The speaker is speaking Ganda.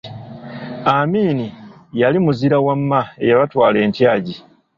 Amini yali muzira wamma eyabatwala entyagi.